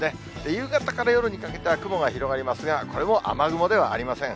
夕方から夜にかけては、雲が広がりますが、これも雨雲ではありません。